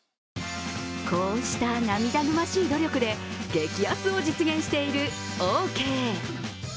こうした涙ぐましい努力で激安を実現しているオーケー。